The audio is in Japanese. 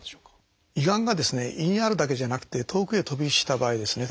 胃がんが胃にあるだけじゃなくて遠くへ飛び火した場合ですね。